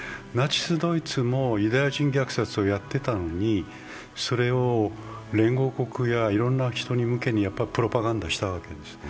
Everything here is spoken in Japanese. ナチスドイツもユダヤ人虐殺をやっていたのにそれを連合国やいろんな人向けにプロパガンダしたわけです。